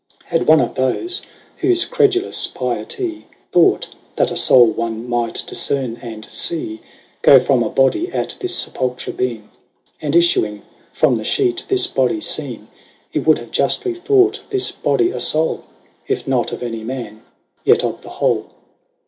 Had one of thofe, whofe credulous pietie Thought, that a Soule one might difcerne and fee Goe from a body, 'at this fepulcher been, And, ifluing from the meet, this body feen, 20 He would have juftly thought this body a foule, If not of any man, yet of the whole.